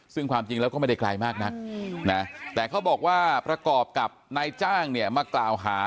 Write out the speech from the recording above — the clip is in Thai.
ซึ่งความจริงแล้วก็ไม่ได้ไกลมากนักนะแต่เขาบอกว่าประกอบกับนายจ้างเนี่ยมากล่าวหา